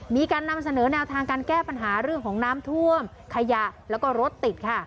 มีการนำเสนอแนวทางการแก้ปัญหาเรื่องของน้ำท่วมขยะแล้วก็รถติดค่ะ